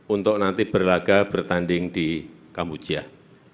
untuk nanti berlagak bertanding di kambujiah